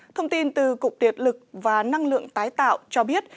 thông tin từ cục tiệt lực và năng lượng tái tạo cho biết